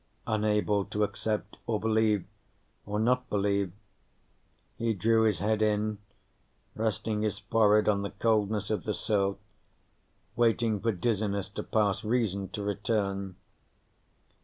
Unable to accept, or believe, or not believe, he drew his head in, resting his forehead on the coldness of the sill, waiting for dizziness to pass, reason to return.